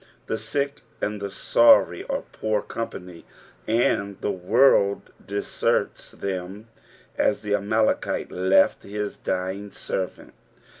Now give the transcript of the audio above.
The sick and the sorry are poor company, and the world deseits them as the Amalekite left his dying servant.